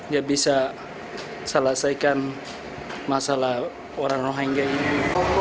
dia bisa selesaikan masalah orang rohingya ini